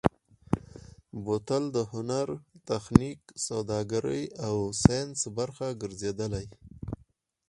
بوتل د هنر، تخنیک، سوداګرۍ او ساینس برخه ګرځېدلی.